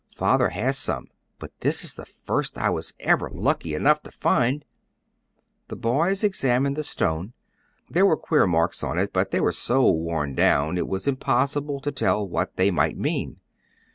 Father has some, but this is the first I was ever lucky enough to find." The boys examined the stone. There were queer marks on it, but they were so worn down it was impossible to tell what they might mean.